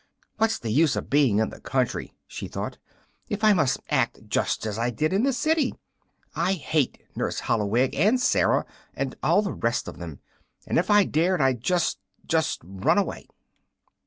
"What's the use of being in the country," she thought, "if I must act just as I did in the city? I hate Nurse Holloweg, and Sarah, and all the rest of them! and if I dared I'd just just run away."